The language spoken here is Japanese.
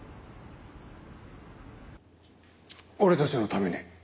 俺たちのために。